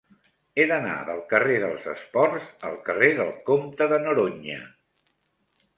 He d'anar del carrer dels Esports al carrer del Comte de Noroña.